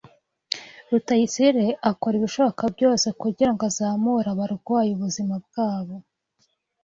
Rutayisire akora ibishoboka byose kugirango azamure abarwayi ubuzima bwabo.